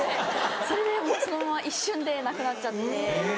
それでそのまま一瞬でなくなっちゃって。